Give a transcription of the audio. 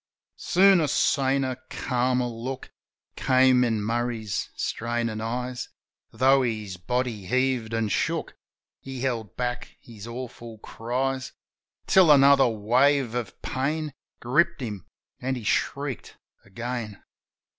Soon a saner, calmer look Came in Murray's strainin' eyes. Though his body heaved an' shook. He held back his awful cries Till another wave of pain Gripped him, an' he shrieked again.